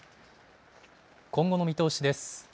今後の見通しです。